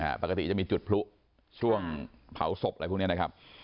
ปกติจะมีจุดพลุช่วงเผาศพอะไรพวกเนี้ยนะครับ